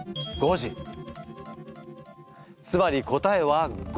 つまり答えは５！